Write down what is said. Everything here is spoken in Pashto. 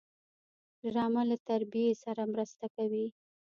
ډرامه له تربیې سره مرسته کوي